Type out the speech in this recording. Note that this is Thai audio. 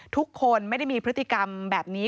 ทุกคนไม่ได้มีพฤติกรรมแบบนี้